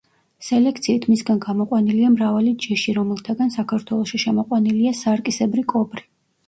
სელექციით მისგან გამოყვანილია მრავალი ჯიში, რომელთაგან საქართველოში შემოყვანილია სარკისებრი კობრი.